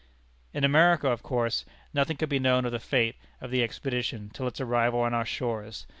In America, of course, nothing could be known of the fate of the expedition till its arrival on our shores.